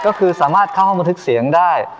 ก็คือสามารถเข้าห้องบันทึกเสียงได้